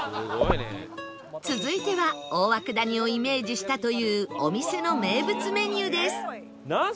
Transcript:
続いては大涌谷をイメージしたというお店の名物メニューです